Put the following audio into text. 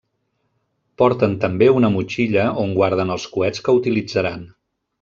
Porten també una motxilla on guarden els coets que utilitzaran.